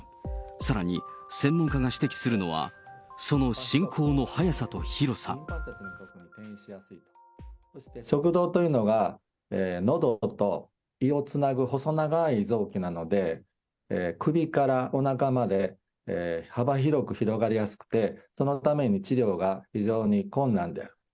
さらに専門家が指摘するのは、食道というのが、のどと胃をつなぐ細長い臓器なので、首からおなかまで、幅広く広がりやすくて、そのために治療が非常に困難である。